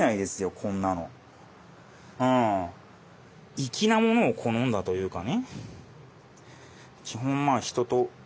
粋なものを好んだというかね。